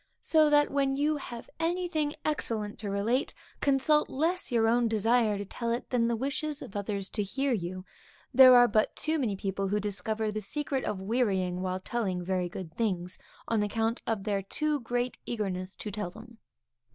So that, when you have anything excellent to relate, consult less your own desire to tell it, than the wishes of others to hear you. There are but too many people who discover the secret of wearying while telling very good things, on account of their too great eagerness to tell them.